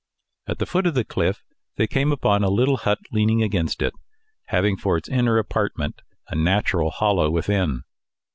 At the foot of the cliff, they came upon a little hut leaning against it, and having for its inner apartment a natural hollow within.